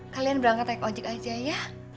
kalian berangkat naik ojek aja ya